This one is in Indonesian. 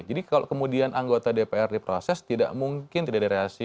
jadi kalau kemudian anggota dpr diproses tidak mungkin tidak direaksi